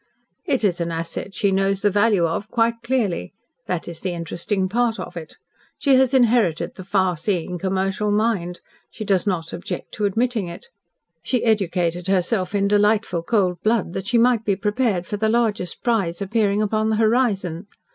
"It is an asset she knows the value of quite clearly. That is the interesting part of it. She has inherited the far seeing commercial mind. She does not object to admitting it. She educated herself in delightful cold blood that she might be prepared for the largest prize appearing upon the horizon.